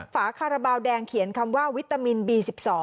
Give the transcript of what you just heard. ฝาคาราบาลแดงเขียนคำว่าวิตามินบี๑๒